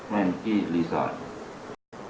มาที่รีสอร์ท